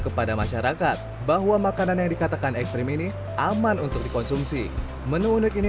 kepada masyarakat bahwa makanan yang dikatakan ekstrim ini aman untuk dikonsumsi menu unik ini